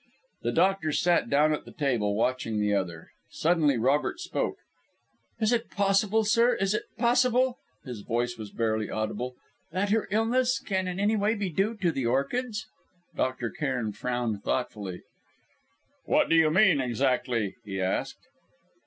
The doctor sat down at the table, watching the other. Suddenly Robert spoke: "Is it possible, sir, is it possible " his voice was barely audible "that her illness can in any way be due to the orchids?" Dr. Cairn frowned thoughtfully. "What do you mean, exactly?" he asked.